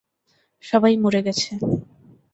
সবাই মরে গেছে।